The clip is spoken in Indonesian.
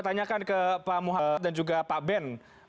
tanyakan ke pak muhammad dan juga pak ben